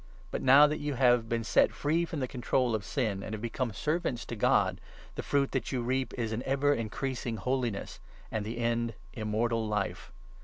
But now that you have been set free from the control of Sin, 22 and have become servants to God, the fruit that you reap is an ever increasing holiness, and the end Immortal Life.